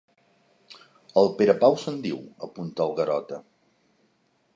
El Perepau se'n diu —apunta el Garota.